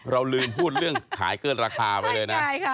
เราลืมพูดเรื่องขายเกินราคาไว้เลยนะ